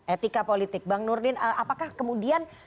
etika politik bang nurdin apakah kemudian